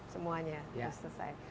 semuanya harus selesai